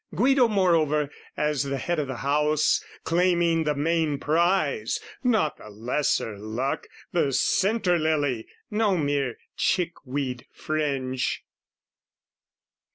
Guido moreover, as the head o' the house, Claiming the main prize, not the lesser luck, The centre lily, no mere chickweed fringe.